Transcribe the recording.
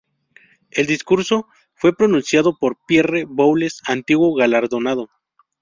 El discurso fue pronunciado por Pierre Boulez, antiguo galardonado.